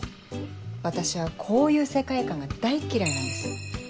私はこういう世界観が大嫌いなんです。